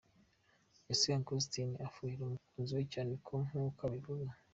Ese Uncle Austin afuhira umukunziwe cyane koko nk’uko abivuga ?.